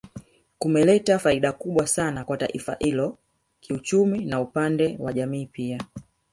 Kumeleta faida kubwa sana kwa taifa hilo kiuchumi na upande wa jamii pia